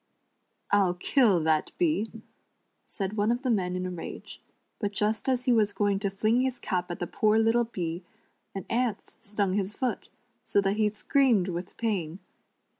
"I'll kill that bee," said one of the men in a rage; but just as he was going to fling his cap at the poor little bee, an ant stung his foot, so that he screamed with pain.